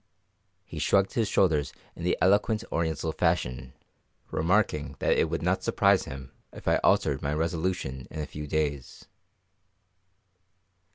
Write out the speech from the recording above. He shrugged his shoulders in the eloquent Oriental fashion, remarking that it would not surprise him if I altered my resolution in a few days.